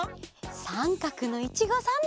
さんかくのいちごサンド！